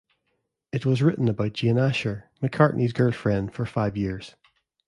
It was written about Jane Asher, McCartney's girlfriend for five years.